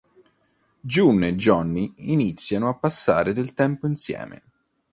June e Johnny iniziano a passare del tempo insieme.